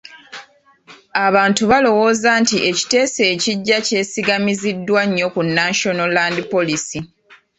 Abantu balowooza nti ekiteeso ekiggya kyesigamiziddwa nnyo ku National Land Policy.